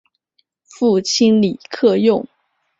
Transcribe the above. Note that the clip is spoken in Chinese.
父亲李克用。